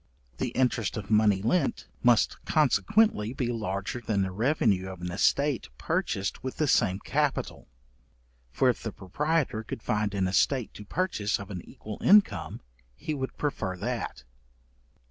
The interest of money lent, must consequently be larger than the revenue of an estate purchased with the same capital; for if the proprietor could find an estate to purchase of an equal income, he would prefer that.